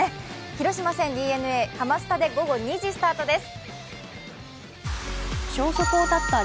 広島戦ＤｅＮＡハマスタで午後２時スタートです。